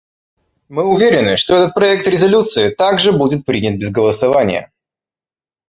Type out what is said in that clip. Мы уверены, что этот проект резолюции также будет принят без голосования.